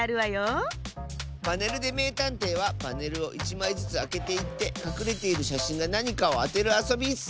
「パネルでめいたんてい」はパネルを１まいずつあけていってかくれているしゃしんがなにかをあてるあそびッス！